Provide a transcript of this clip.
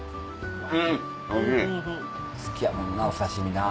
好きやもんなお刺身な。